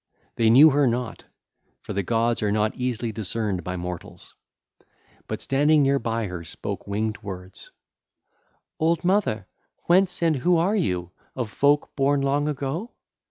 They knew her not,—for the gods are not easily discerned by mortals—but standing near by her spoke winged words: (ll. 113 117) 'Old mother, whence and who are you of folk born long ago?